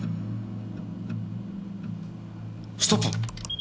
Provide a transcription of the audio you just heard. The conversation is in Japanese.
ストップ！